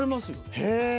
へえ。